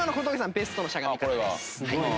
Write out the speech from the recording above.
ベストのしゃがみ方です。